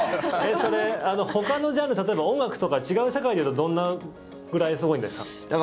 それ、ほかのジャンル例えば音楽とか違う世界で言うとどのぐらいすごいんですか？